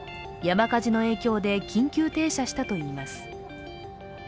山火事の影響で緊急停車したといいます。